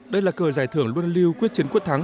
đây là cờ giải thưởng luôn lưu quyết chiến quyết thắng